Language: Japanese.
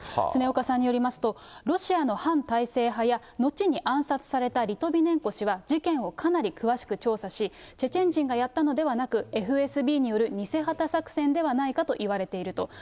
常岡さんによりますと、ロシアの反体制派や、後に暗殺されたリトビネンコ氏は、事件をかなり詳しく調査し、チェチェン人がやったのではなく、ＦＳＢによる偽旗作戦ではないかと言われていると。